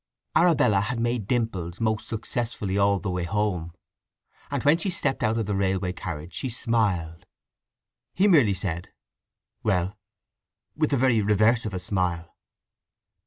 Arabella had made dimples most successfully all the way home, and when she stepped out of the railway carriage she smiled. He merely said "Well?" with the very reverse of a smile.